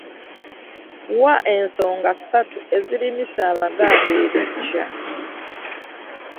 Wa ensonga ssatu ezirimisa Abaganda ebiggya.